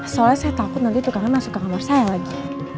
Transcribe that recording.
soalnya saya takut nanti itu karena masuk ke kamar saya lagi